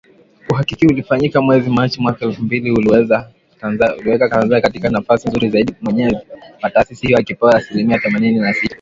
Uhakiki ulifanyika mwezi Machi mwaka elfu mbili uliiweka Tanzania katika nafasi nzuri zaidi kuwa mwenyeji wa taasisi hiyo ikipewa asilimia themanini na sita